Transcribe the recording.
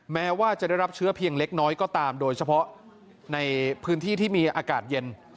แม้ว่าจะได้รับเชื้อเพียงเล็กน้อยก็ตามโดยเฉพาะในพื้นที่ที่มีอากาศเย็น